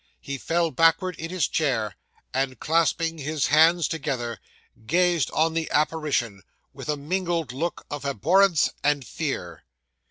He fell backward in his chair, and, clasping his hands together, gazed on the apparition with a mingled look of abhorrence and fear.